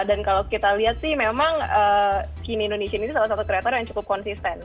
dan kalau kita lihat sih memang skinny indonesia ini salah satu creator yang cukup konsisten